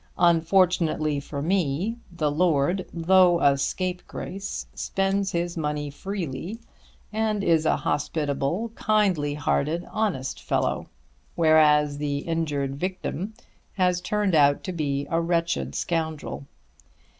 Unfortunately for me the lord, though a scapegrace, spends his money freely and is a hospitable kindly hearted honest fellow; whereas the injured victim has turned out to be a wretched scoundrel.